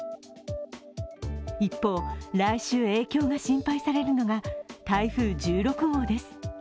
一方、来週、影響が心配されるのが台風１６号です。